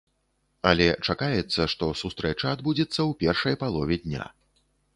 Але чакаецца, што сустрэча адбудзецца ў першай палове дня.